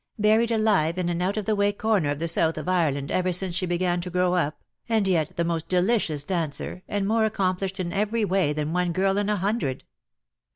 Buried alive in an out of the way corner of the South of Ireland ever since she began to grow up, and yet the most delicious dancer, and more accomplished in every way than one girl in a hundred."